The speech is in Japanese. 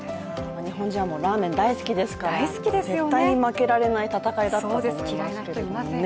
日本人はラーメン大好きですから絶対に負けられない戦いだったと思いますけれどもね。